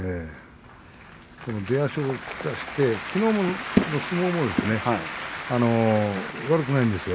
出足を生かして、きのうの相撲も悪くないんですよ。